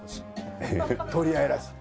取り合いらしい。